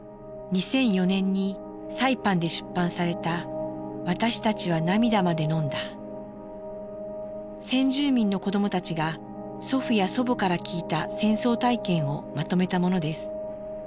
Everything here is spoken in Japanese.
２００４年にサイパンで出版された先住民の子どもたちが祖父や祖母から聞いた戦争体験をまとめたものです。